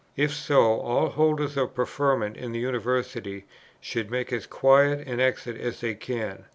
If so, all holders of preferment in the University should make as quiet an exit as they can.